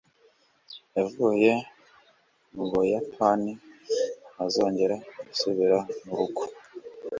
yavuye mu buyapani, ntazongera gusubira mu rugo